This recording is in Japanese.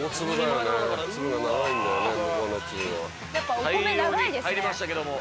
大量に入りましたけども。